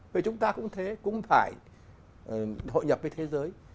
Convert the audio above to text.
vì chúng ta cũng thế cũng phải hội nhập với thế giới